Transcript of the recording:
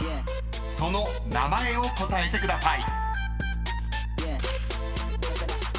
［その名前を答えてください］